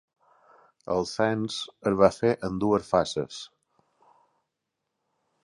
El cens es va fer en dues fases.